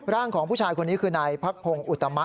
ร่างของผู้ชายคนนี้คือนายพักพงศ์อุตมะ